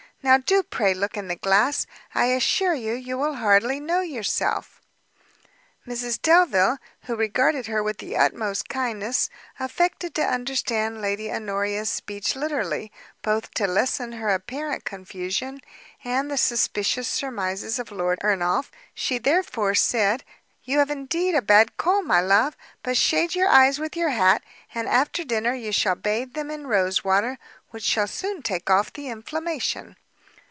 now do pray look in the glass, I assure you you will hardly know yourself." Mrs Delvile, who regarded her with the utmost kindness, affected to understand Lady Honoria's speech literally, both to lessen her apparent confusion, and the suspicious surmises of Lord Ernolf; she therefore said, "you have indeed a bad cold, my love; but shade your eyes with your hat, and after dinner you shall bathe them in rose water, which will soon take off the inflammation."